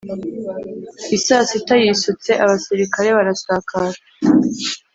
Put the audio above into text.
Isaa sita yisutse abasirikare barasakara